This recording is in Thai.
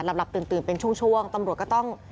หลับตื่นเป็นช่วงตำรวจก็ต้อง